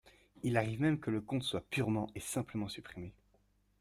Il arrive même que le compte soit purement et simplement supprimé.